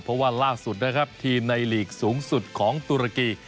เพราะว่าล่าสุดนะครับทีมในหลีกสูงสุดของตุรกี